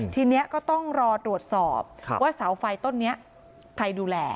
ทีนี้ก็ต้องรอตรวจสอบว่าเสาไฟต้นนี้ใครดูแล